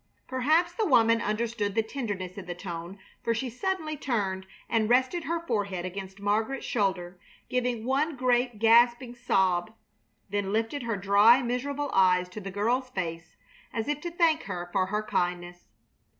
Perhaps the woman understood the tenderness in the tone, for she suddenly turned and rested her forehead against Margaret's shoulder, giving one great, gasping sob, then lifted her dry, miserable eyes to the girl's face as if to thank her for her kindness.